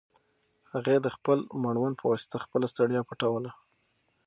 هغې د خپل مړوند په واسطه خپله ستړیا پټوله.